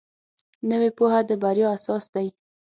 نوې پوهه د بریا اساس دی